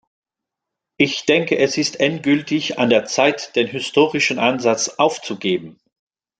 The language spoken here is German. Ich denke, es ist endgültig an der Zeit, den historischen Ansatz aufzugeben.